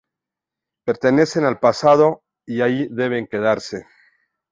Pertenecen al pasado y allí deben quedarse.